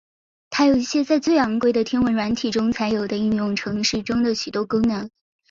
它有一些在最昂贵的天文软体中才有的应用程式中的许多功能。